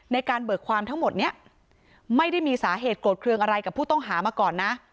เบิกความทั้งหมดนี้ไม่ได้มีสาเหตุโกรธเครื่องอะไรกับผู้ต้องหามาก่อนนะ